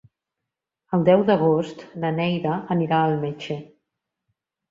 El deu d'agost na Neida anirà al metge.